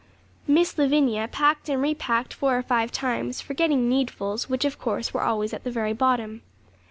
Miss Lavinia packed and repacked four or five times, forgetting needfuls, which, of course, were always at the very bottom.